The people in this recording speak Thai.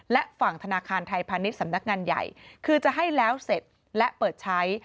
และฝั่งธนาคารไทยพาณิชย์สำนักงานใหญ่คือจะให้แล้วเสร็จและเปิดใช้